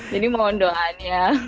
jadi mohon doanya